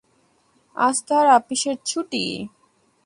আজ তাঁহার আপিসের ছুটি।